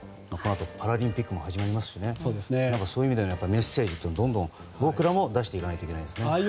このあとパラリンピックも始まりますしそういう意味でメッセージをどんどんと僕らも出していかないといけないですね。